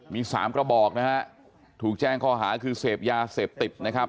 มีสามกระบอกนะฮะถูกแจ้งข้อหาคือเสพยาเสพติดนะครับ